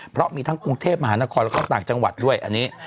เพราะมีทั้งกรุงเทพมหานครแล้วก็ต่างจังหวัดด้วยอันนี้